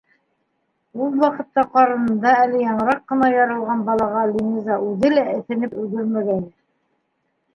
Ул ваҡытта ҡарынында әле яңыраҡ ҡына яралған балаға Линиза үҙе лә эҫенеп өлгөрмәгәйне.